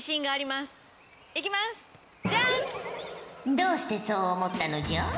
どうしてそう思ったのじゃ？